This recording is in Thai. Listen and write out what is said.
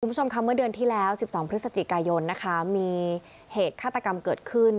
คุณผู้ชมค่ะเมื่อเดือนที่แล้ว๑๒พฤศจิกายนนะคะมีเหตุฆาตกรรมเกิดขึ้น